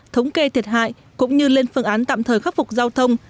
thống kê thiệt hại cũng như lên phương án tạm thời khắc phục giao thông